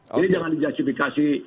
jadi jangan di justifikasi